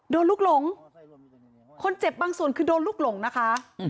ลูกหลงคนเจ็บบางส่วนคือโดนลูกหลงนะคะ